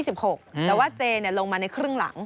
แต่ว่าเจ๊เนี่ยลงมาในครึ่งหลัง